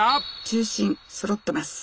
中心そろってます。